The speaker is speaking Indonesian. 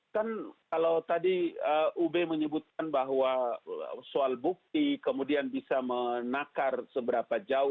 kan kalau tadi ube menyebutkan bahwa soal bukti kemudian bisa menakar seberapa jauh